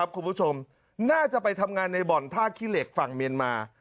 คุณผู้ชมน่าจะไปทำงานในบ่อนท่าขี้เหล็กฝั่งเมียนมา